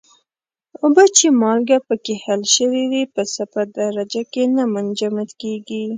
اوبه چې مالګه پکې حل شوې په صفر درجه کې نه منجمد کیږي.